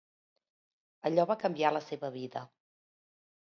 Allò va canviar la seva vida.